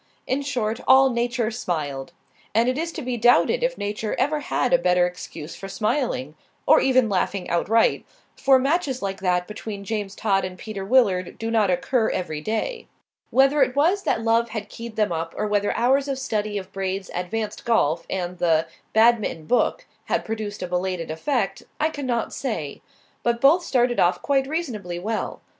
In short, all Nature smiled. And it is to be doubted if Nature ever had a better excuse for smiling or even laughing outright; for matches like that between James Todd and Peter Willard do not occur every day. Whether it was that love had keyed them up, or whether hours of study of Braid's "Advanced Golf" and the Badminton Book had produced a belated effect, I cannot say; but both started off quite reasonably well.